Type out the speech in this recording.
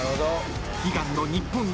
［悲願の日本一へ］